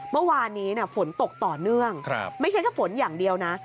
เมื่อวานนี้ฝนตกต่อเนื่องไม่ใช่แค่ฝนอย่างเดียวนะ